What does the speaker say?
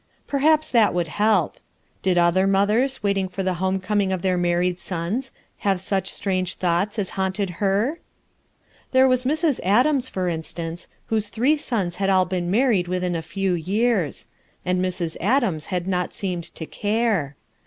Perhaps that would help. Did other mothers, waiting for the home coming of their married sons, have such strange thoughts as haunted her? There was Mrs* Adams, for instance, whose three sons had all been married within a few years* And Mrs. Adams had not seemed to care.